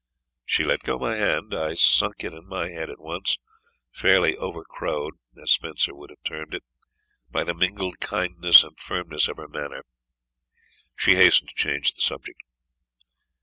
She let go my hand. I sunk it and my head at once, fairly overcrowed, as Spenser would have termed it, by the mingled kindness and firmness of her manner. She hastened to change the subject.